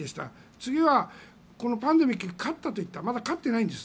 次はパンデミックに勝ったと言ったけどまだ勝っていないんです。